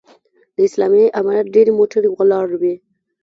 د اسلامي امارت ډېرې موټرې ولاړې وې.